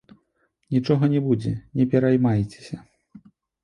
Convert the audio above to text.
Нічога не будзе, не пераймайцеся.